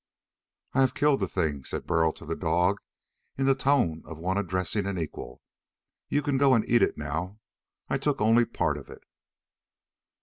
"I have killed the thing," said Burl to the dog, in the tone of one addressing an equal. "You can go and eat it now. I took only part of it."